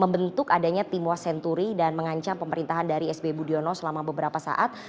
membentuk adanya timuas senturi dan mengancam pemerintahan dari sb budiono selama beberapa saat